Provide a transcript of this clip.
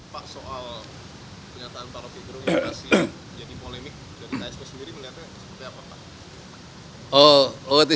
pak soal penyataan pak rufiq rufiq yang masih jadi polemik jadi ksp sendiri melihatnya seperti apa pak